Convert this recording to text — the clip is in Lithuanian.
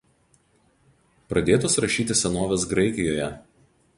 Pradėtos rašyti senovės Graikijoje.